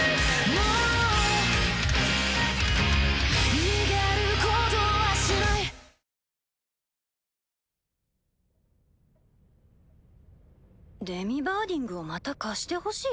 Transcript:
もう逃げることはしない「デミバーディングをまた貸してほしい」？